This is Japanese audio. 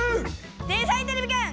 「天才てれびくん」